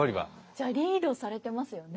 じゃあリードされてますよね。